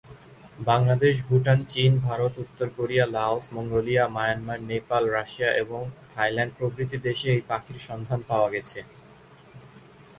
বাংলাদেশ, ভুটান, চীন, ভারত, উত্তর Korea, Laos, Mongolia, Myanmar, Nepal, Russia এবং থাইল্যান্ড প্রভৃতি দেশে এই পাখির সন্ধান পাওয়া গেছে।